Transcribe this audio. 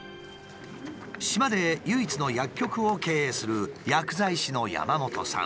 島で唯一の薬局を経営する薬剤師の山本さん。